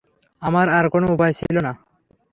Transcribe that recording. আমার আর কোন উপায় ছিল না।